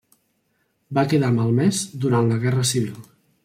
Va quedar malmès durant la Guerra Civil.